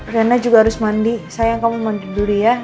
riana juga harus mandi sayang kamu mandi dulu ya